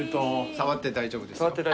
触って大丈夫ですよ。